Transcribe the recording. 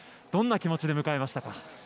どんな気持ちで迎えましたか。